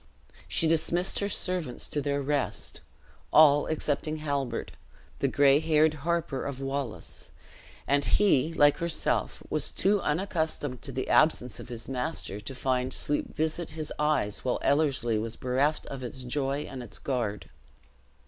She dismissed her servants to their rest; all, excepting Halbert, the gray haired harper of Wallace; and he, like herself, was too unaccustomed to the absence of his master to find sleep visit his eyes while Ellerslie was bereft of its joy and its guard.